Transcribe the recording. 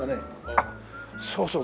あっそうそう。